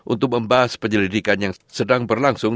untuk membahas penyelidikan yang sedang berlangsung